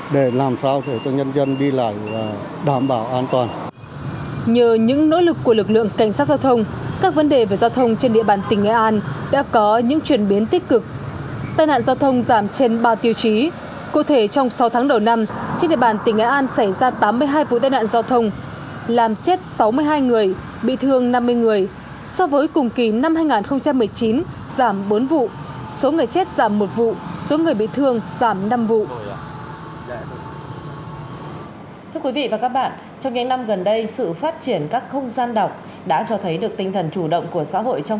đã cho thấy được tinh thần chủ động của xã hội trong việc đưa sách đến gần hơn với người dân